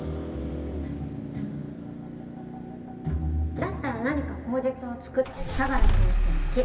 だったら何か口実を作って相良先生を切る。